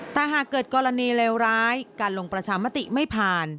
แต่หากเกิดกรณีเลวร้ายการลงประชามติไม่ผ่าน